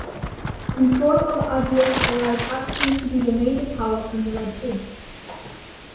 Control of Adulis allowed Axum to be the major power on the Red Sea.